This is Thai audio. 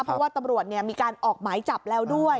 เพราะว่าตำรวจมีการออกหมายจับแล้วด้วย